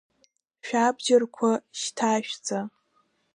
Шәабџьарқәа шьҭашәҵа!